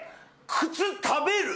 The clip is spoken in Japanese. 靴食べる。